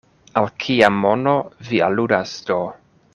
Al kia mono vi aludas do?